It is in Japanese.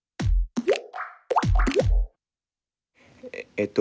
えっと